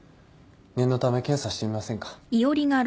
念のため検査してみませんか？